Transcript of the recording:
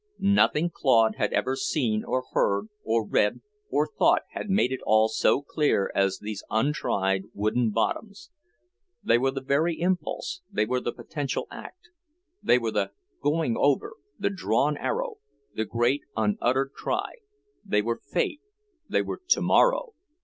Nothing Claude had ever seen or heard or read or thought had made it all so clear as these untried wooden bottoms. They were the very impulse, they were the potential act, they were the "going over," the drawn arrow, the great unuttered cry, they were Fate, they were tomorrow!...